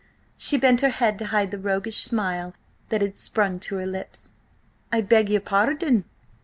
She bent her head to hide the roguish smile that had sprung to her lips. "I beg your pardon?"